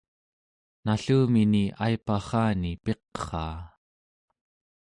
nallumini aiparrani piqraa